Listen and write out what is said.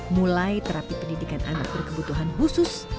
mulai terapi pendidikan anak berkebutuhan khusus